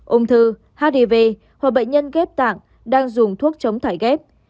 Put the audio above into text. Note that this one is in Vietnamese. ông thư hdv hoặc bệnh nhân ghép tạng đang dùng thuốc chống thải ghép